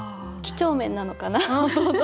几帳面なのかな。